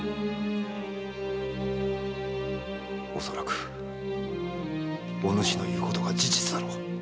恐らくお主の言うことが事実だろう。